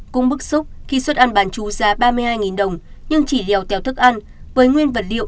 cũng bức xúc khi xuất ăn bán chú giá ba mươi hai đồng nhưng chỉ leo tèo thức ăn với nguyên vật liệu